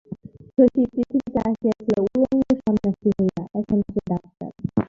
শশী পৃথিবীতে আসিয়াছিল উলঙ্গ সন্ন্যাসী হইয়া, এখন সে ডাক্তার।